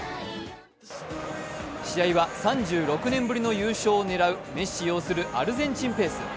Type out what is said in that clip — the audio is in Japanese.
試合は３６年ぶりの優勝を狙うメッシ擁するアルゼンチンペース。